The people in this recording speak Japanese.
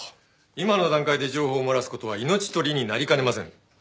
今の段階で情報を漏らす事は命取りになりかねません。